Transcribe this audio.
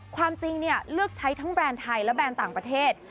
ความจริงเลือกใช้ทั้งแบรนด์ไทยและแบรนด์ต่างประเทศ